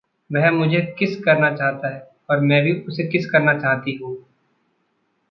वह मुझे किस करना चाहता है। और मैं भी उसे किस करना चाहती हूँ।